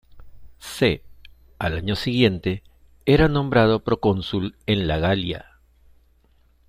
C.. Al año siguiente era nombrado procónsul en la Galia.